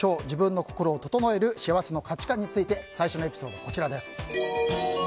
自分の心を整える幸せの価値観について最初のエピソードです。